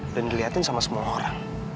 dan diliatin sama semua orang